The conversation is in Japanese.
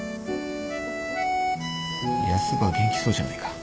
ヤスば元気そうじゃないか。